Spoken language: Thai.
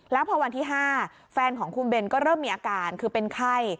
แล้วพอวันที่๕แฟนของคุณเบนก็เริ่มมีอาการคือเป็นไข้